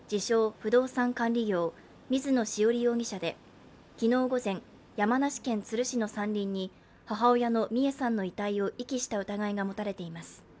・不動産管理業水野潮理容疑者で昨日午前、山梨県都留市の山林に母親の美恵さんの遺体を遺棄した疑いが持たれています。